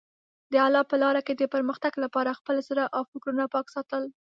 د الله په لاره کې د پرمختګ لپاره خپل زړه او فکرونه پاک ساتل.